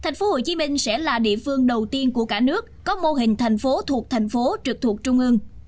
nên sẽ là địa phương đầu tiên của cả nước có mô hình thành phố thuộc thành phố trực thuộc trung ương